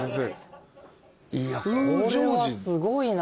いやこれはすごいな。